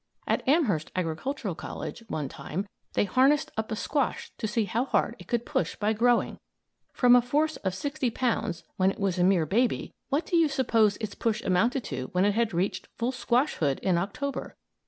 At Amherst Agricultural College, one time, they harnessed up a squash to see how hard it could push by growing. From a force of sixty pounds, when it was a mere baby, what do you suppose its push amounted to when it had reached full squashhood in October?